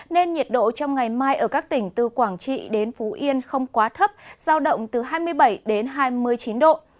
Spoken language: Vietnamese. nên nhiệt độ trong ngày mai ở các tỉnh từ quảng trị đến phú yên không quá thấp giao động từ hai mươi bảy đến hai mươi chín độ